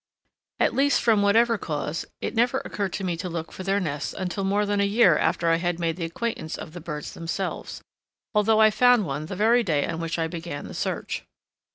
At least, from whatever cause, it never occurred to me to look for their nests until more than a year after I had made the acquaintance of the birds themselves, although I found one the very day on which I began the search.